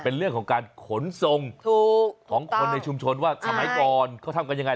เป็นเรื่องของการขนส่งของคนในชุมชนว่าสมัยก่อนเขาทำกันยังไง